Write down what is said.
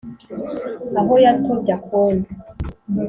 Aho yatobye akondo